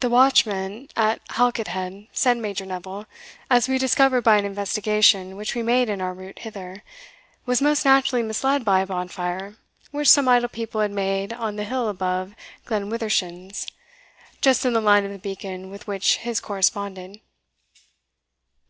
"The watchman at Halket head," said Major Neville, "as we discovered by an investigation which we made in our route hither, was most naturally misled by a bonfire which some idle people had made on the hill above Glenwithershins, just in the line of the beacon with which his corresponded."